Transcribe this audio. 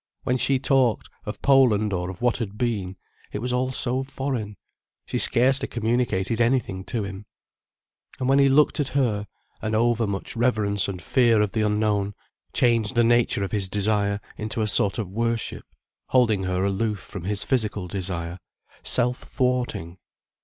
When she talked, of Poland or of what had been, it was all so foreign, she scarcely communicated anything to him. And when he looked at her, an over much reverence and fear of the unknown changed the nature of his desire into a sort of worship, holding her aloof from his physical desire, self thwarting.